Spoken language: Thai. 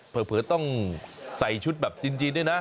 เผลอต้องใส่ชุดแบบจีนด้วยนะ